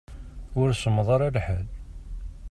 Ur semmeḍ ara lḥal.